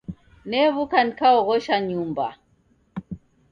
New'uka nikaoghosha nyumba.